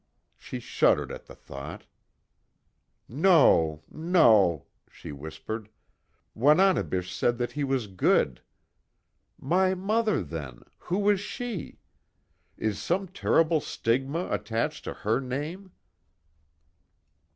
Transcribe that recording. She shuddered at the thought. "No, no!" she whispered, "Wananebish said that he was good. My mother, then, who was she? Is some terrible stigma attached to her name?